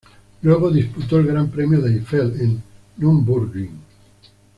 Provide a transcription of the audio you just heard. Luego disputó el Gran Premio de Eifel, en Nürburgring.